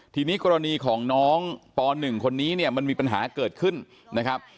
ทีนี้กรณีของน้องป๑คนนี้เนี่ยมันมีปัญหาเกิดขึ้นนะครับ